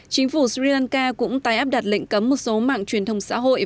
chính phủ sri lanka cũng tái áp đặt lệnh cấm một số mạng truyền thông xã hội